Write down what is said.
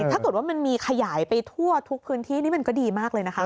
ถ้าเกิดว่ามันมีขยายไปทั่วทุกพื้นที่นี่มันก็ดีมากเลยนะคะ